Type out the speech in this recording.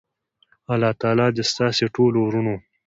الله تعالی دی ستاسی ټولو ورونو